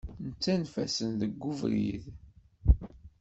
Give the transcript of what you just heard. Nettanef-asen deg ubrid.